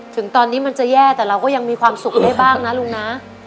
ถึงตอนนี้มันจะแย่แต่เราก็ยังมีความสุขได้บ้างนะลุงนะ